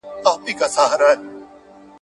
استازي د قانون طرحي لولي.